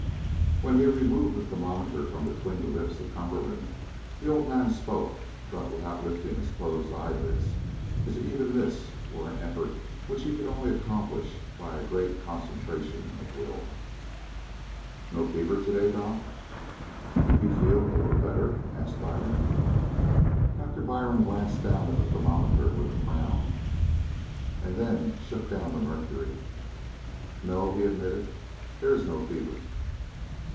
When he removed the thermometer from between the lips of Cumberland the old man spoke, but without lifting his closed eyelids, as if even this were an effort which he could only accomplish by a great concentration of the will. "No fever to day, doc?" "You feel a little better?" asked Byrne. "They ain't no feelin'. But I ain't hot; jest sort of middlin' cold." Doctor Byrne glanced down at the thermometer with a frown, and then shook down the mercury. "No," he admitted, "there is no fever."